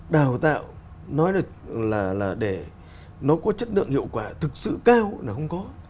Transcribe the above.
đào tạo nói là để nó có chất lượng hiệu quả thực sự cao là không có